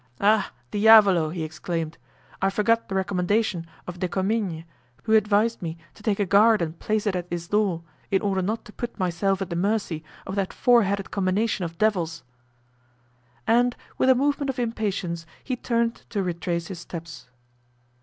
"Ah! Diavolo!" he exclaimed, "I forgot the recommendation of De Comminges, who advised me to take a guard and place it at this door, in order not to put myself at the mercy of that four headed combination of devils." And with a movement of impatience he turned to retrace his steps.